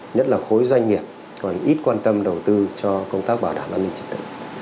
nhất là khối doanh nghiệp còn ít quan tâm đầu tư cho công tác bảo đảm an ninh trật tự